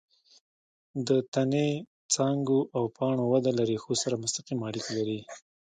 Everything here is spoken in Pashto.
د تنې، څانګو او پاڼو وده له ریښو سره مستقیمه اړیکه لري.